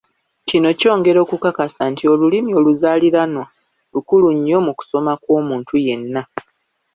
Kino kyongera kukakasa nti olulimi oluzaaliranwa lukulu nnyo mu kusoma kw’omuntu yenna.